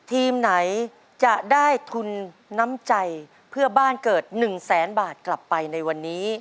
ทีมไหนจะได้ทุนน้ำใจเพื่อบ้านเกิด๑แสนบาทกลับไปในวันนี้